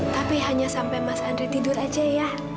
tapi hanya sampai mas andri tidur aja ya